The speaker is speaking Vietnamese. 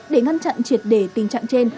để ngăn chặn triệt đề tình trạng trên